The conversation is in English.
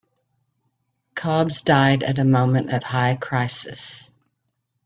Cobbs died at a moment of high crisis.